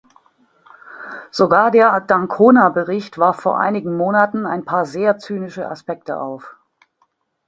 Sogar der d'Ancona-Bericht warf vor einigen Monaten ein paar sehr zynische Aspekte auf.